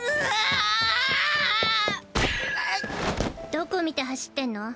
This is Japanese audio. どこ見て走ってんの？